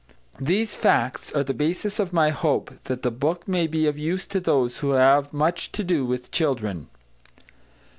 These facts are the basis of my hope that the book may be of use to those who have much to do with children.